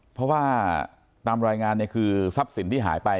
เพราะว่าตามรายงานเนี่ยคือทรัพย์สินที่หายไป